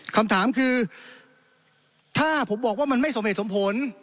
คำถามคือถ้าผมบอกว่ามันไม่สมเหตุสมผล